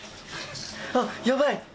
あっ、やばい。